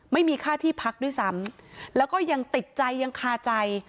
ไม่มีค่าที่พักด้วยซ้ำแล้วก็ยังติดใจยังคาใจ